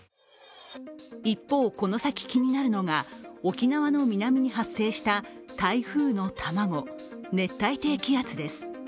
一方、この先気になるのが沖縄の南に発生した台風の卵、熱帯低気圧です。